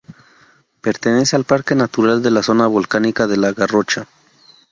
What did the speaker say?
Pertenece al Parque Natural de la Zona Volcánica de la Garrocha.